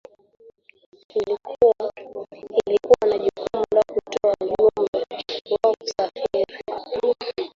alikuwa na jukumu la kutoa ujumbe wa kusafiri